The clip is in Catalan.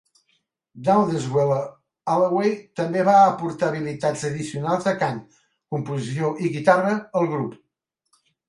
Dowdeswell-Allaway també va aportar habilitats addicionals de cant, composició i guitarra al grup.